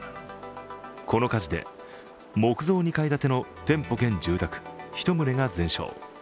この火事で木造２階建ての店舗兼住宅１棟が全焼。